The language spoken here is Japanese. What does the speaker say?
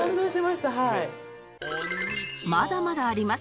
まだまだあります